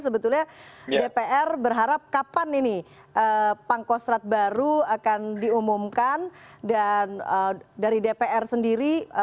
sebetulnya dpr berharap kapan ini pangkostrat baru akan diumumkan dan dari dpr sendiri